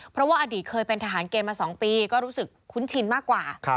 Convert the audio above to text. เพราะว่าอดีตเคยเป็นทหารเกณฑ์มา๒ปีก็รู้สึกคุ้นชินมากกว่า